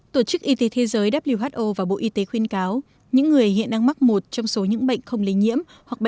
tổ chức y tế thế giới who và bộ y tế khuyên cáo những người hiện đang mắc một trong số những bệnh không lây nhiễm hoặc